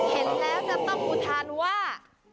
เห็นแล้วจะต้องอุทานว่า